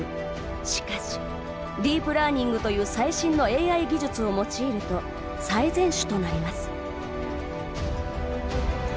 しかしディープラーニングという最新のＡＩ技術を用いると最善手となります。